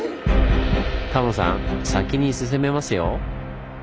タモさん先に進めますよ。